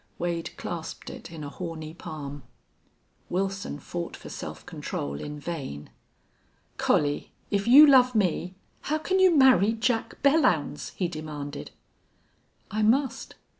Wade clasped it in a horny palm. Wilson fought for self control in vain. "Collie, if you love me, how can you marry Jack Belllounds?" he demanded. "I must."